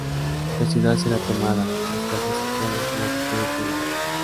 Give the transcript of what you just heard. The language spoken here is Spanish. La ciudad será tomada, las casas saqueadas y las mujeres violadas.